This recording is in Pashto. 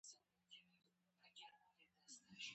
د اسرائیلو نظامي برتري تضیمنوي.